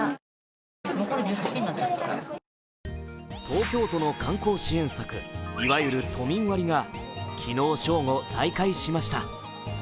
東京都の観光支援策、いわゆる都民割が昨日正午、再開しました。